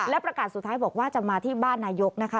และประกาศสุดท้ายบอกว่าจะมาที่บ้านนายกนะคะ